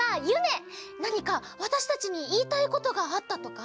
なにかわたしたちにいいたいことがあったとか？